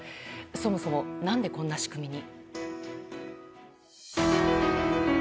そもそもなんでこんな仕組みに？